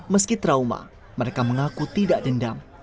meski trauma mereka mengaku tidak dendam